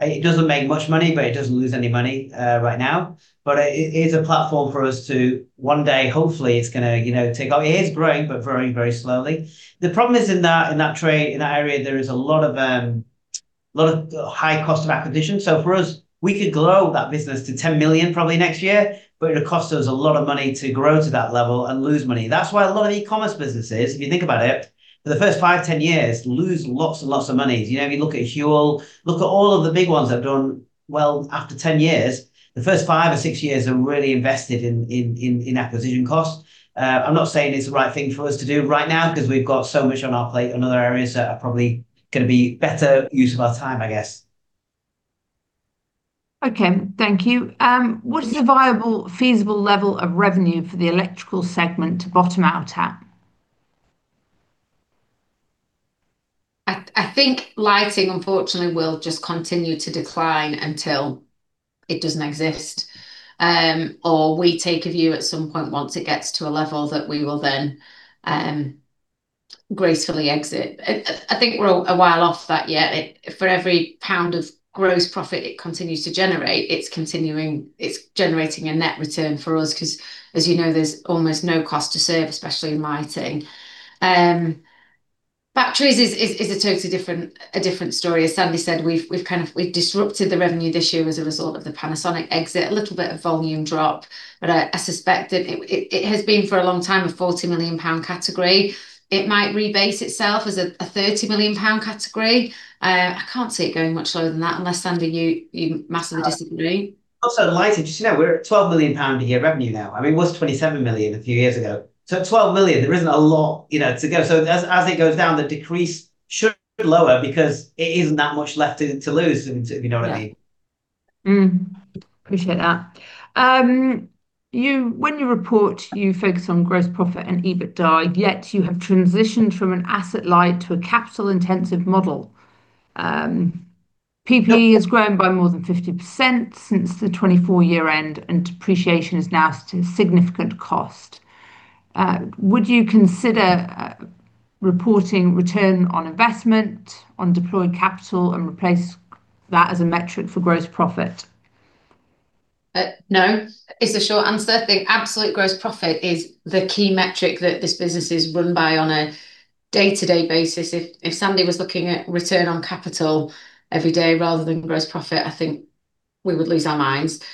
It does not make much money, but it does not lose any money right now. It is a platform for us to one day, hopefully, it is going to take off. It is growing, but growing very slowly. The problem is in that area, there is a lot of high cost of acquisition. For us, we could grow that business to 10 million probably next year, but it would cost us a lot of money to grow to that level and lose money. That is why a lot of e-commerce businesses, if you think about it, for the first 5, 10 years, lose lots and lots of money. You look at Huel, look at all of the big ones that have done well after 10 years. The first 5 or 6 years are really invested in acquisition costs. I am not saying it is the right thing for us to do right now because we have got so much on our plate in other areas that are probably going to be better use of our time, I guess. Okay, thank you. What is the viable, feasible level of revenue for the electrical segment to bottom out at? I think lighting, unfortunately, will just continue to decline until it does not exist, or we take a view at some point once it gets to a level that we will then gracefully exit. I think we are a while off that yet. For every pound of gross profit it continues to generate, it is generating a net return for us because, as you know, there is almost no cost to serve, especially in lighting. Batteries is a totally different story. As Sandy said, we have disrupted the revenue this year as a result of the Panasonic exit, a little bit of volume drop, but I suspect that it has been for a long time a 40 million pound category. It might rebase itself as a 30 million pound category. I can't see it going much lower than that unless, Sandy, you massively disagree. Also, lighting, just you know, we're at 12 million pounds a year revenue now. I mean, it was 27 million a few years ago. At 12 million, there isn't a lot to go. As it goes down, the decrease should lower because it isn't that much left to lose, if you know what I mean. Appreciate that. When you report, you focus on gross profit and EBITDA, yet you have transitioned from an asset light to a capital-intensive model. PPE has grown by more than 50% since the 2024 year end, and depreciation is now a significant cost. Would you consider reporting return on investment on deployed capital and replace that as a metric for gross profit? No. It's a short answer. I think absolute gross profit is the key metric that this business is run by on a day-to-day basis. If Sandy was looking at return on capital every day rather than gross profit, I think we would lose our minds.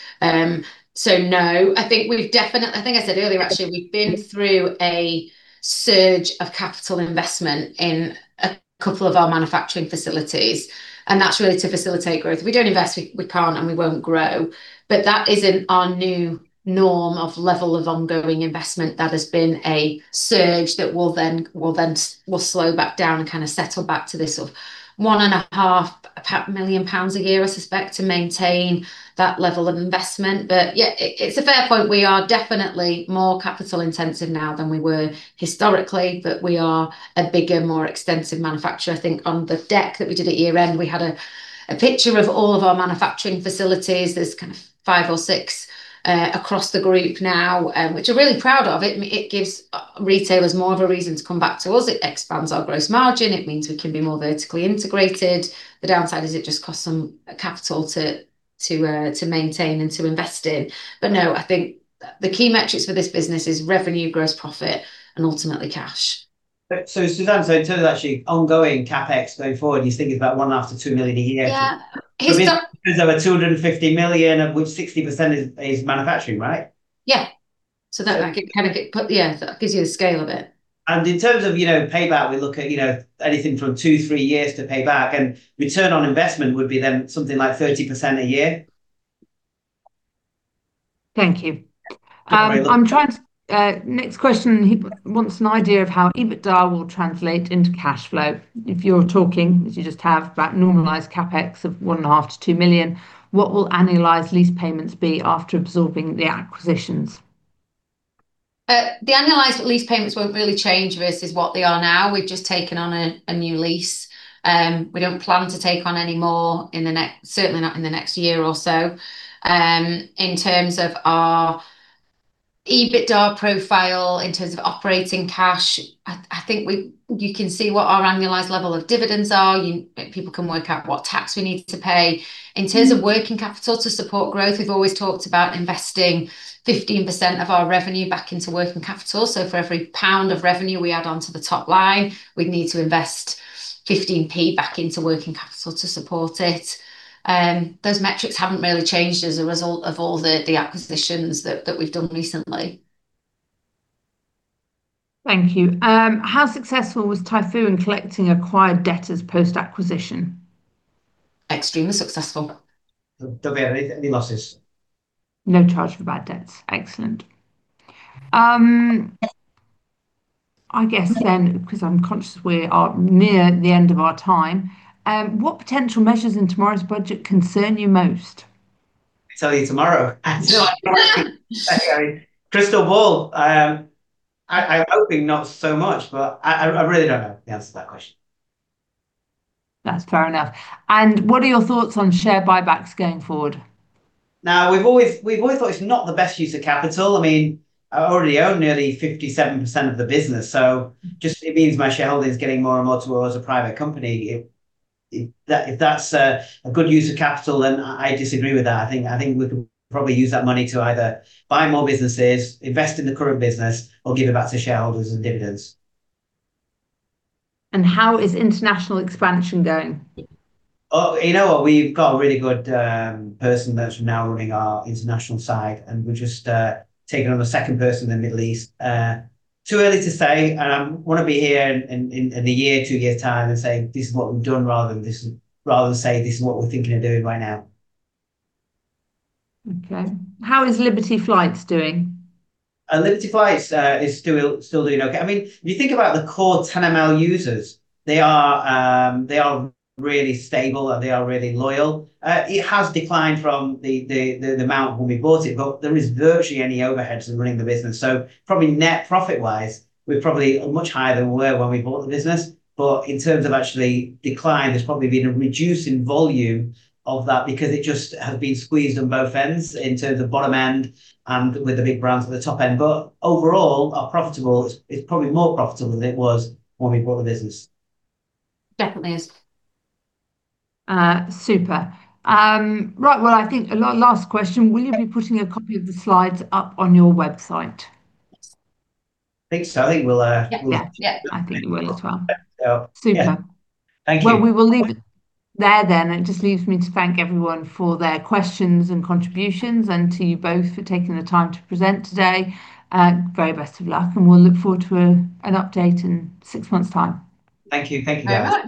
No, I think we've definitely, I think I said earlier, actually, we've been through a surge of capital investment in a couple of our manufacturing facilities, and that's really to facilitate growth. If we don't invest, we can't and we won't grow. That isn't our new norm of level of ongoing investment. That has been a surge that will then slow back down and kind of settle back to this of 1.5 million pounds a year, I suspect, to maintain that level of investment. Yeah, it's a fair point. We are definitely more capital-intensive now than we were historically, but we are a bigger, more extensive manufacturer. I think on the deck that we did at year-end, we had a picture of all of our manufacturing facilities. There's kind of five or six across the group now, which I'm really proud of. It gives retailers more of a reason to come back to us. It expands our gross margin. It means we can be more vertically integrated. The downside is it just costs some capital to maintain and to invest in. No, I think the key metrics for this business is revenue, gross profit, and ultimately cash. Suzanne's saying in terms of actually ongoing CapEx going forward, you're thinking about one after 2 million a year. Yeah. Because there were 250 million, of which 60% is manufacturing, right? Yeah. That kind of gets, yeah, that gives you the scale of it. In terms of payback, we look at anything from two, three years to pay back, and return on investment would be then something like 30% a year. Thank you. I'm trying to, next question wants an idea of how EBITDA will translate into cash flow. If you're talking, as you just have, about normalized CapEx of 1.5 million-2 million, what will annualized lease payments be after absorbing the acquisitions? The annualized lease payments won't really change versus what they are now. We've just taken on a new lease. We don't plan to take on any more in the next, certainly not in the next year or so. In terms of our EBITDA profile, in terms of operating cash, I think you can see what our annualized level of dividends are. People can work out what tax we need to pay. In terms of working capital to support growth, we've always talked about investing 15% of our revenue back into working capital. For every pound of revenue we add onto the top line, we'd need to invest 15p back into working capital to support it. Those metrics haven't really changed as a result of all the acquisitions that we've done recently. Thank you. How successful was Typhoo in collecting acquired debt as post-acquisition? Extremely successful. There have not been any losses. No charge for bad debts. Excellent. I guess then, because I'm conscious we are near the end of our time, what potential measures in tomorrow's budget concern you most? Tell you tomorrow. Crystal ball. I'm hoping not so much, but I really don't know the answer to that question. That's fair enough. What are your thoughts on share buybacks going forward? Now, we've always thought it's not the best use of capital. I mean, I already own nearly 57% of the business. Just it means my shareholding is getting more and more towards a private company. If that's a good use of capital, then I disagree with that. I think we could probably use that money to either buy more businesses, invest in the current business, or give it back to shareholders in dividends. How is international expansion going? You know what? We've got a really good person that's now running our international side, and we're just taking on a second person in the Middle East. Too early to say, and I want to be here in a year, two years' time and say, "This is what we've done," rather than say, "This is what we're thinking of doing right now." Okay. How is Liberty Flights doing? Liberty Flights is still doing okay. I mean, if you think about the core 10ml users, they are really stable and they are really loyal. It has declined from the amount when we bought it, but there is virtually any overhead to running the business. So probably net profit-wise, we're probably much higher than we were when we bought the business. In terms of actually decline, there's probably been a reducing volume of that because it just has been squeezed on both ends in terms of bottom end and with the big brands at the top end. Overall, our profitability is probably more profitable than it was when we bought the business. Definitely is. Super. Right. I think last question, will you be putting a copy of the slides up on your website? I think so. I think we'll. Yeah. Yeah, I think we will as well. Super. Thank you. We will leave it there then. It just leaves me to thank everyone for their questions and contributions and to you both for taking the time to present today. Very best of luck, and we'll look forward to an update in six months' time. Thank you. Thank you, Diane.